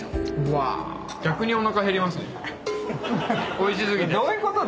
おいし過ぎて。